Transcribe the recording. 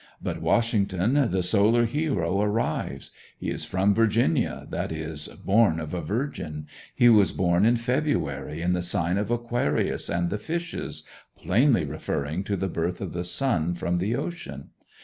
But Washington, the solar hero, arrives. He is from Virginia, that is, born of a virgin. He was born in February, in the sign of Aquarius and the Fishes, plainly referring to the birth of the sun from the ocean.